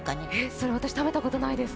それ、私、食べたことないです。